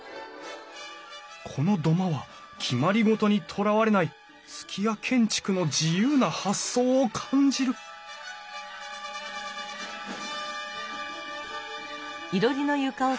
この土間は決まり事にとらわれない数寄屋建築の自由な発想を感じるうん？